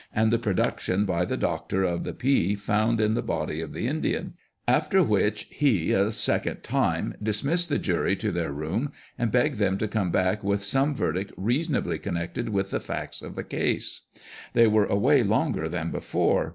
and the production by the doctor of the pea found in the body of the Indian ; after which he a second time dismissed the jury to their room, and begged them to come back with some verdict reasonably connected with the facts of the case. They were away longer than before.